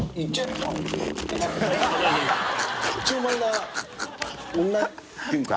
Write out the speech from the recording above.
一丁前な女っていうか。